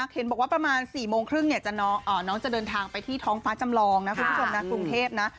เขียนบอกว่าประมาณ๔โมงครึ่งน้องจะเดินทางไปที่ท้องฟ้าจำลองคุณผู้ชมนะ